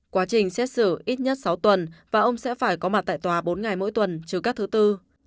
quá trình xét xử ít nhất sáu tuần và ông sẽ phải có mặt tại tòa bốn ngày mỗi tuần trừ các thứ tư